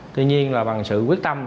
tuy nhiên là bằng sự quyết tâm